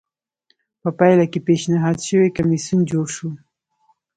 په پایله کې پېشنهاد شوی کمېسیون جوړ شو